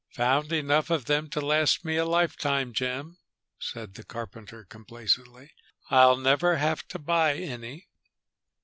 "Found enough of them to last me a lifetime, Jim," said the carpenter complacently. "I'll never have to buy any."